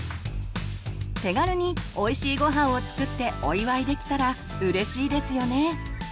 手軽においしいごはんを作ってお祝いできたらうれしいですよね。